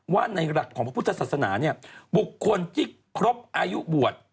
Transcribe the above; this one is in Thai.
ว่าในหลักของพระพุทธศาสนาเนี่ยบุคคลที่ครบอายุบวช